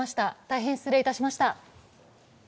大変失礼いたしました。